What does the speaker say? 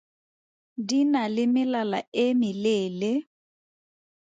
Di na le melala e meleele.